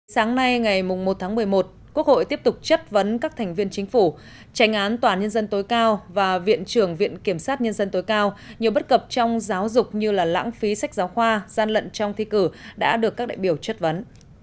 sáng nay ngày một tháng một mươi một quốc hội tiếp tục chất vấn các thành viên chính phủ tranh án tòa nhân dân tối cao và viện trưởng viện kiểm sát nhân dân tối cao nhiều bất cập trong giáo dục như lãng phí sách giáo khoa gian lận trong thi cử đã được các đại biểu chất vấn